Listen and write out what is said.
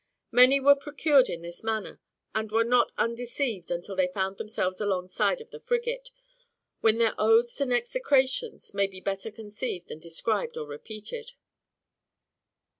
Many were procured in this manner, and were not undeceived until they found themselves alongside of the frigate, when their oaths and execrations may be better conceived than described or repeated.